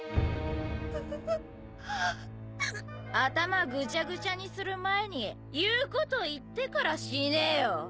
頭ぐちゃぐちゃにする前に言うこと言ってから死ねよ！